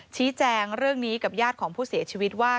ชี้แจงเรื่องนี้กับญาติของผู้เสียชีวิตว่า